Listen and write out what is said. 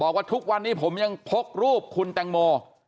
บอกว่าทุกวันนี้ผมยังพกรูปคุณแต่งโม